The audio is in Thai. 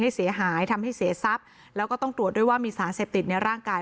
เสียหายทำให้เสียทรัพย์แล้วก็ต้องตรวจด้วยว่ามีสารเสพติดในร่างกาย